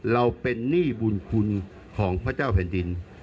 เราเป็นหนี้บุญคุณของพระเจ้าแผ่นดิน